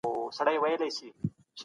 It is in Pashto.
جګړه پای ته ورسېده